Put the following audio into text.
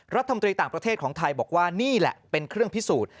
รัฐมนตรีต่างประเทศของไทยบอกว่านี่แหละเป็นเครื่องพิสูจน์